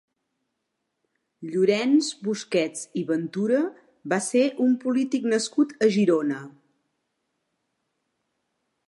Llorenç Busquets i Ventura va ser un polític nascut a Girona.